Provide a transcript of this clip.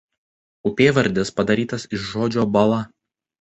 Upėvardis padarytas iš žodžio "bala".